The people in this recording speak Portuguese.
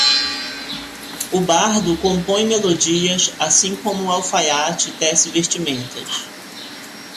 O bardo compõe melodias assim como o alfaiate tece vestimentas